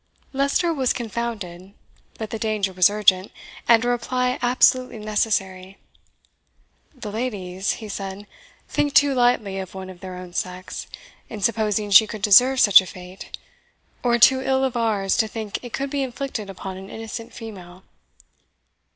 Leicester was confounded, but the danger was urgent, and a reply absolutely necessary. "The ladies," he said, "think too lightly of one of their own sex, in supposing she could deserve such a fate; or too ill of ours, to think it could be inflicted upon an innocent female."